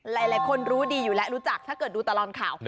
หลายคนรู้ดีอยู่และรู้จักถ้าเกิดดูตลอดข่าว